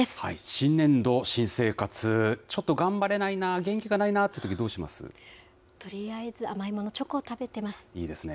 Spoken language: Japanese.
新年度、新生活、ちょっと頑張れないな、元気がないなってととりあえず甘いもの、チョコいいですね。